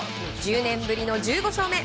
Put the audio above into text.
１０年ぶりの１５勝目。